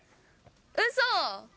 うそ？